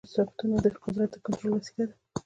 دا ثبتونه د قدرت د کنټرول وسیله وه.